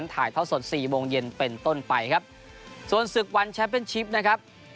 ถ่ายท่อสดสี่โมงเย็นเป็นต้นไปครับส่วนศึกวันแชมป์เป็นชิปนะครับ